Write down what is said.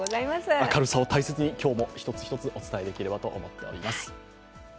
明るさを大切に、今日も一つ一つお伝えできればと思います。